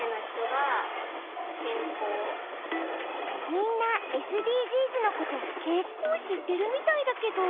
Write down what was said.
みんなＳＤＧｓのことけっこう知ってるみたいだけど。